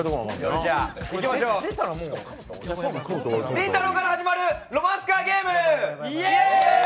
りんたろーから始まるロマンスカーゲーム、イェーイ！